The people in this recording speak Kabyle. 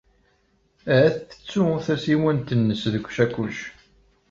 Ahat tettu tasiwant-nnes deg usakac.